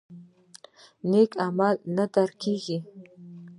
نیک عمل نه ورک کیږي